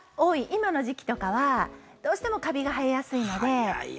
今の時期とかはどうしてもカビが生えやすいので。